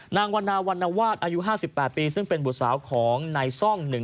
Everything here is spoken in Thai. วันนาวันนวาสอายุ๕๘ปีซึ่งเป็นบุตรสาวของนายซ่องหนึ่ง